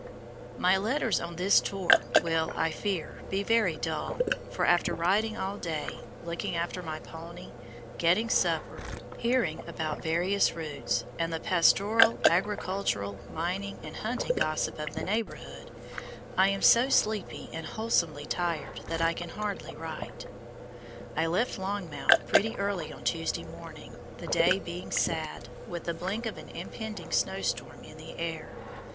My letters on this tour will, I fear, be very dull, for after riding all day, looking after my pony, getting supper, hearing about various routes, and the pastoral, agricultural, mining, and hunting gossip of the neighborhood, I am so sleepy and wholesomely tired that I can hardly write. I left Longmount pretty early on Tuesday morning, the day being sad, with the blink of an impending snow storm in the air.